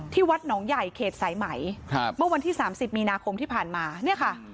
วัดหนองใหญ่เขตสายไหมครับเมื่อวันที่๓๐มีนาคมที่ผ่านมาเนี่ยค่ะ